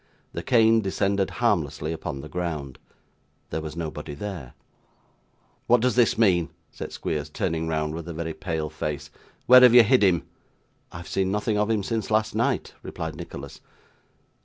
The cane descended harmlessly upon the ground. There was nobody there. 'What does this mean?' said Squeers, turning round with a very pale face. 'Where have you hid him?' 'I have seen nothing of him since last night,' replied Nicholas.